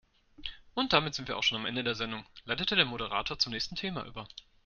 "Und damit sind wir auch schon am Ende der Sendung", leitete der Moderator zum nächsten Thema über.